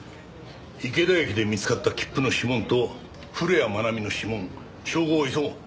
池田駅で見つかった切符の指紋と古谷愛美の指紋照合を急ごう。